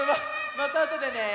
またあとでね！